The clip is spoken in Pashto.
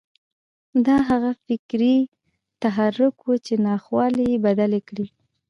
دا هغه فکري تحرک و چې ناخوالې يې بدلې کړې.